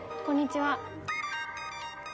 こんにちは。